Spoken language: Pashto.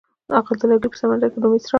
هغه د لرګی په سمندر کې د امید څراغ ولید.